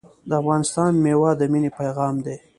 د افغانستان میوه د مینې پیغام دی.